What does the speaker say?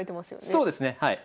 そうですねはい。